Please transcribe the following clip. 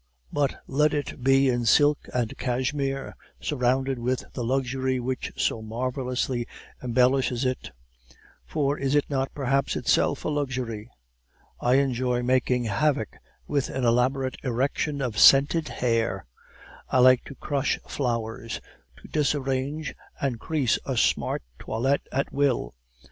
But let it be in silk and cashmere, surrounded with the luxury which so marvelously embellishes it; for is it not perhaps itself a luxury? I enjoy making havoc with an elaborate erection of scented hair; I like to crush flowers, to disarrange and crease a smart toilette at will.